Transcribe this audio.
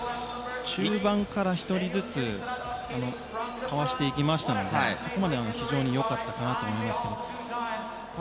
中盤から１人ずつかわしていきましたのでそこまで非常によかったかなと思いました。